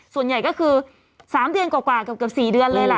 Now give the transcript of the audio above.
ส่วนใหญ่ก็คือ๓เดือนกว่าเกือบ๔เดือนเลยล่ะ